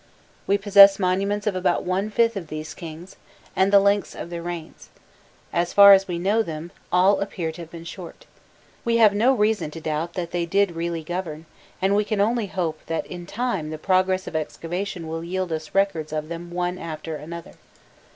We possess monuments of about one fifth of these kings, and the lengths of their reigns, as far as we know them, all appear to have been short: we have no reason to doubt that they did really govern, and we can only hope that in time the progress of excavation will yield us records of them one after another.